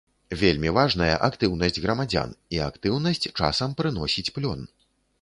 Вельмі важная актыўнасць грамадзян і актыўнасць часам прыносіць плён.